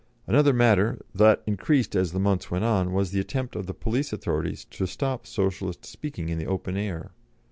Another matter, that increased as the months went on, was the attempt of the police authorities to stop Socialist speaking in the open air.